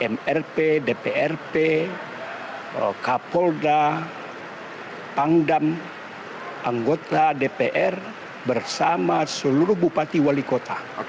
mrp dprp kapolda pangdam anggota dpr bersama seluruh bupati wali kota